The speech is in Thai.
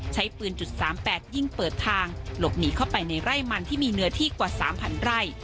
ใช้ปืนจุด๓๘ยิงเปิดทางหลบหนีเข้าไปในไร่มันที่มีเนื้อที่กว่า๓๐๐ไร่